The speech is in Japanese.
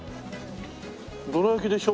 どら焼きでしょ？